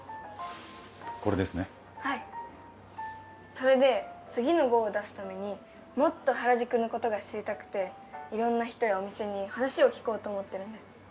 それで次の号を出すためにもっと原宿のことが知りたくていろんな人やお店に話を聞こうと思ってるんです。